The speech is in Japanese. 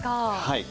はい。